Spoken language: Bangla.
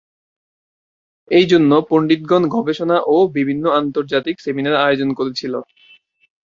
এজন্য পণ্ডিতগণ গবেষণা ও বিভিন্ন আন্তর্জাতিক সেমিনার আয়োজন করেছিল।